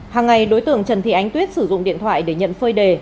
hàng ngày đối tượng trần thị ánh tuyết sử dụng điện thoại để nhận phơi đề